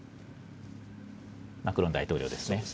マクロン大統領ですね。